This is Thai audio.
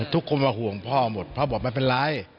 ทุกคนมาห่วงพ่อหมดพ่อบอกไม่เป็นไร